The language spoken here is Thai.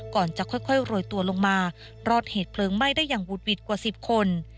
ก่อนจะค่อยโรยตัวลงมารอดเหตุเพลิงไหม้ได้อย่างบุดหวิดกว่า๑๐คน